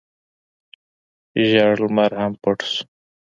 ژړ لمر هم پټ شو.